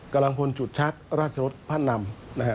กำลังพลฉุดชักราชรสพระนำ